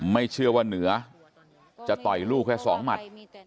ไม่เชื่อว่าเหนือจะต่อยลูกแค่๒หมัด